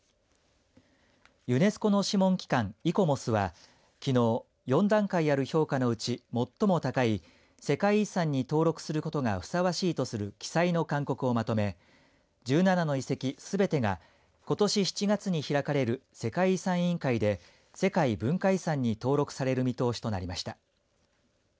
ユネスコの諮問機関イコモスはきのう、４段階ある評価のうち最も高い世界遺産に登録することがふさわしいとする記載の勧告をまとめ１７の遺跡すべてがことし７月に開かれる世界遺産委員会で世界文化遺産に登録される見通しとなりました。